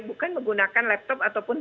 bukan menggunakan laptop ataupun